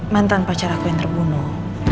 mantan pacar aku yang terbunuh